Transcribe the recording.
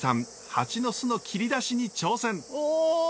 ハチの巣の切り出しに挑戦。